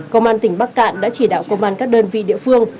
công an tỉnh bắc cạn đã chỉ đạo công an các đơn vị địa phương